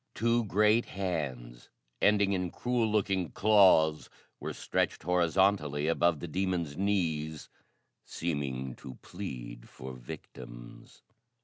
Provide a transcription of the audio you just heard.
Two great hands, ending in cruel looking claws, were stretched horizontally above the demon's knees, seeming to plead for victims.